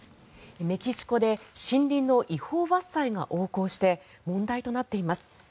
メキシコで森林の違法伐採が横行して問題となっています。